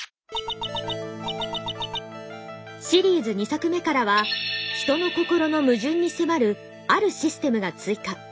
シリーズ２作目からは人の心のムジュンに迫るあるシステムが追加。